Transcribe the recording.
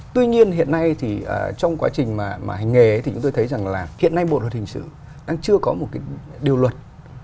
tuy nhiên hiện nay thì trong quá trình mà hành nghề thì chúng tôi thấy rằng là hiện nay bộ luật hình sự đang chưa có một cái điều luật